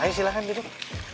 ayo silakan duduk